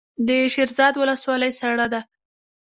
د شیرزاد ولسوالۍ سړه ده